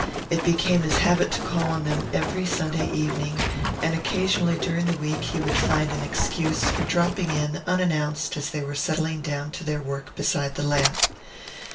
It became his habit to call on them every Sunday evening, and occasionally during the week he would find an excuse for dropping in unannounced as they were settling down to their work beside the lamp.